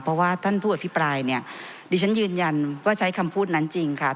เพราะว่าท่านผู้อภิปรายเนี่ยดิฉันยืนยันว่าใช้คำพูดนั้นจริงค่ะ